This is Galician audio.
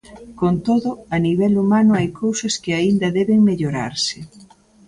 Con todo, a nivel humano, hai cousas que aínda deben mellorarse.